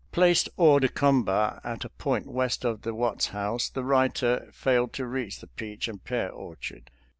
Placed hors de combat at a point west of the Watts house, the writer failed to reach the peach and pear orchard.